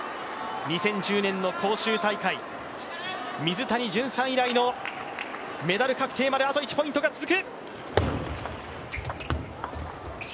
２０１０年の広州大会、水谷隼さん以来のメダル獲得まであと１ポイントが続く。